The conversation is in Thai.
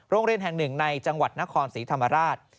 โรงเรียนแห่งหนึ่งในจังหวัดนครศรีธรรมราช